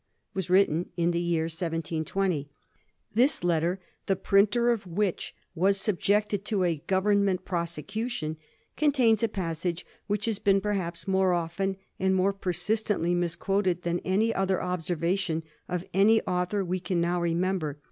was written in the year 1720. This letter — ^the printer of which was subjected to a Grovemment pro secution — contains a passage which has been, perhaps, more often and more persistently misquoted than any other observation of any author we can now remember.